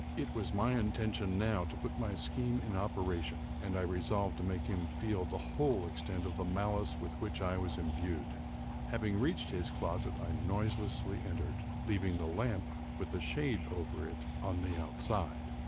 It was my intention, now, to put my scheme in operation, and I resolved to make him feel the whole extent of the malice with which I was imbued. Having reached his closet, I noiselessly entered, leaving the lamp, with a shade over it, on the outside.